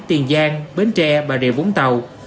tiền giang bến tre bà rịa vũng tàu